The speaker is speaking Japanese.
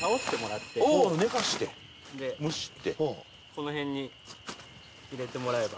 この辺に入れてもらえば。